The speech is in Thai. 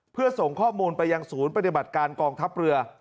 เพื่อส่งข้อมูลไปยังศูนย์ปฏิบัติการกองทัพเรือ